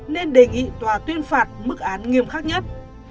nên đề nghị tòa tuyên phạt mức án nghiêm khắc nhất